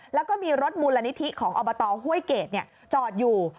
แล้วก็มีรถมูลนิธิของอบตห้วยเกรดจอดอยู่